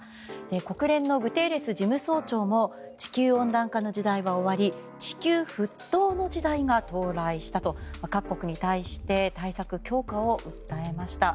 国連のグテーレス事務総長も地球温暖化の時代は終わり地球沸騰の時代が到来したと各国に対して対策強化を訴えました。